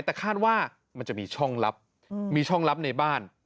แต่คาดว่ามันจะมีช่องลับมีช่องลับในบ้าน